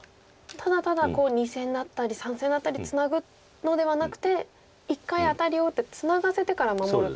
ただただ２線だったり３線だったりツナぐのではなくて一回アタリを打ってツナがせてから守ると。